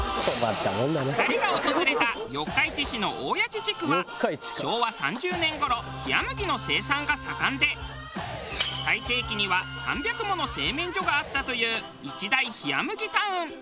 ２人が訪れた四日市市の大矢知地区は昭和３０年頃冷麦の生産が盛んで最盛期には３００もの製麺所があったという一大冷麦タウン。